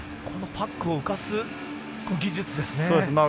このパックを浮かす技術ですね。